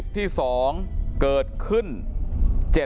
ตอนนี้ก็เปลี่ยนแหละ